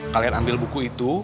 kalian ambil buku itu